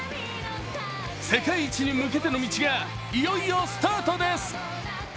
世界一に向けての道がいよいよスタートです。